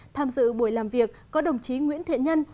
tham dự buổi làm việc có đồng chí nguyễn thiện nhân